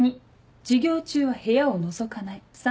２授業中は部屋をのぞかない。